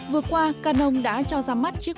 vừa qua canon đã cho ra mắt chiếc